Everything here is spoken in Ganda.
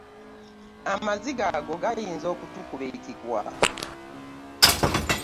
Amaziga ago gayinza okutukuba ekikwa.